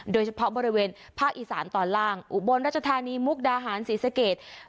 โดยเฉพาะบริเวณภาคอีสานตอนล่างอุบลรัชธานีมุกดาหารศรีสเกต